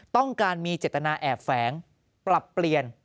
ต้องการมีเจตนาแอบแฝงปรับเปลี่ยน